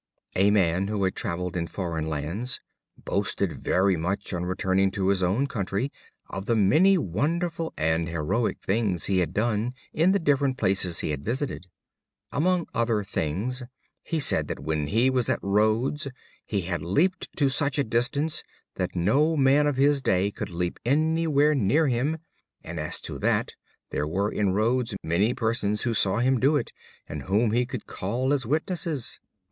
A Man who had traveled in foreign lands boasted very much, on returning to his own country, of the many wonderful and heroic things he had done in the different places he had visited. Among other things, he said that when he was at Rhodes he had leaped to such a distance that no man of his day could leap anywhere near him and as to that there were in Rhodes many persons who saw him do it, and whom he could call as witnesses.